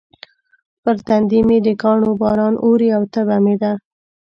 پر تندي مې د کاڼو باران اوري او تبه مې ده.